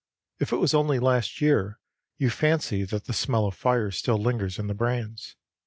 If it was only last year, you fancy that the smell of fire still lingers in the brands.